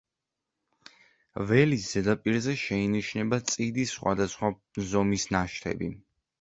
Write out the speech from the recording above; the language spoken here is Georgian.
ველის ზედაპირზე შეინიშნება წიდის სხვადასხვა ზომის ნაშთები.